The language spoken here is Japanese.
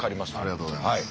ありがとうございます。